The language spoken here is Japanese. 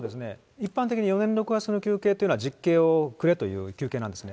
一般的に４年６か月の求刑というのは、実刑をくれという求刑なんですね。